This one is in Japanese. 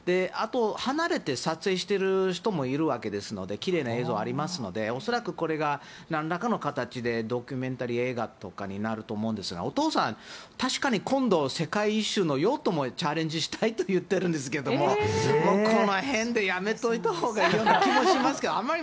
あと、離れて撮影している人もいるわけですので奇麗な映像がありますので恐らくこれがなんらかの形でドキュメンタリー映画とかになると思うんですがお父さん、確か今度世界一周のヨットもチャレンジしたいと言ってるんですけどこの辺でやめといたほうがいい気がしますけどね。